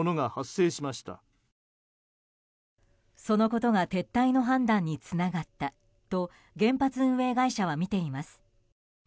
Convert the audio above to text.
そのことが撤退の判断につながったと原発運営会社はみています。